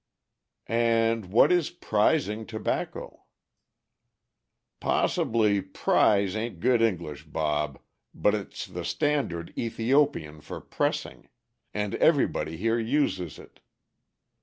"And what is 'prizing' tobacco?" "Possibly 'prize' a'n't good English, Bob, but it's the standard Ethiopian for pressing, and everybody here uses it.